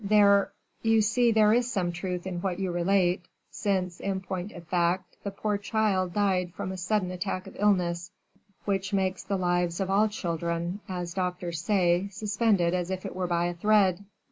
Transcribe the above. "There, you see there is some truth in what you relate, since, in point of fact, the poor child died from a sudden attack of illness, which makes the lives of all children, as doctors say, suspended as it were by a thread."